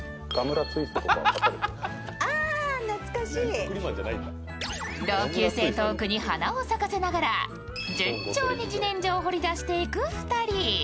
すると同級生トークに花を咲かせながら順調に自然薯を掘り出していく２人。